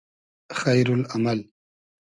خݷرو ل امئل